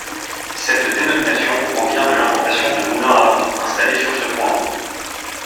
Cette dénomination provient de l’implantation de moulins à vent installés sur ce point haut.